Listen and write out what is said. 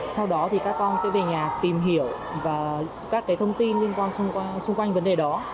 sau đó thì các con sẽ về nhà tìm hiểu các thông tin liên quan xung quanh vấn đề đó